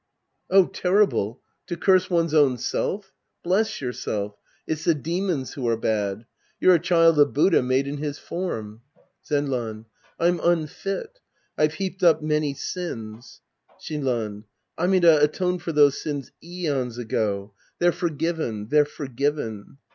Oh, terrible ! To curse one's own self! Bless yourself. It's the demons who are bad. You're a cliild of Buddha made in his form. Zenran. I'm unfit. I've heaped up many sins. Shinran. Amida atoned for those sins aeons ago. They're forgiven, they're forgiven.